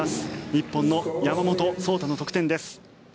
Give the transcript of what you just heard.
日本の山本草太の得点です。